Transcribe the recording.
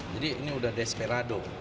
jadi ini sudah desperado